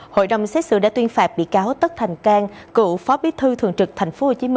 hội đồng xét xử đã tuyên phạt bị cáo tất thành cang cựu phó bí thư thường trực tp hcm